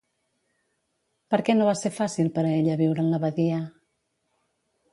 Per què no va ser fàcil per a ella viure en l'abadia?